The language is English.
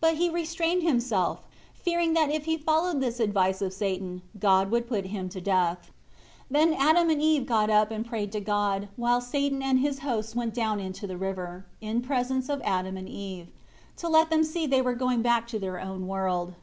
But he restrained himself, fearing that if he followed this advice of Satan, God would put him to death. 14 Then Adam and Eve got up, and prayed to God, while Satan and his hosts went down into the river, in presence of Adam and Eve; to let them see that they were going back to their own world.